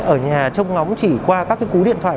ở nhà trông ngóng chỉ qua các cái cú điện thoại